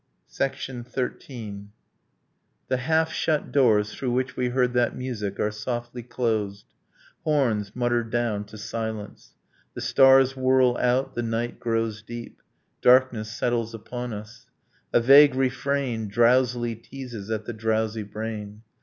XIII. The half shut doors through which we heard that music Are softly closed. Horns mutter down to silence. The stars whirl out, the night grows deep. Darkness settles upon us. A vague refrain Drowsily teases at the drowsy brain.